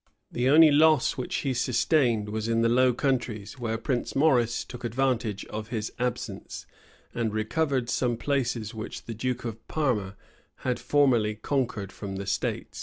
The only loss which he sustained was in the Low Countries, where Prince Maurice took advantage of his absence, and recovered some places which the duke of Parma had formerly conquered from the states.